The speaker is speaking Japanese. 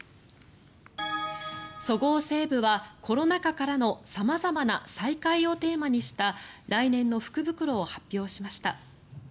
そごう・西武はコロナ禍からの様々な「さいかい」をテーマにした来年の福袋を発表しました。